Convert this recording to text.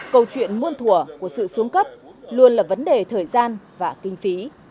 câu chuyện muôn thùa của sự xuống cấp luôn là vấn đề thời gian và kinh phí